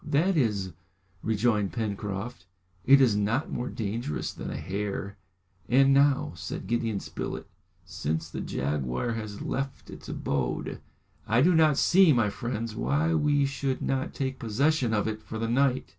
"That is," rejoined Pencroft, "it is not more dangerous than a hare!" "And now," said Gideon Spilett, "since the jaguar has left its abode, I do not see, my friends, why we should not take possession of it for the night."